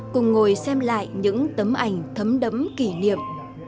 cùng ngồi xem lại những tấm ảnh thấm đấm kỷ niệm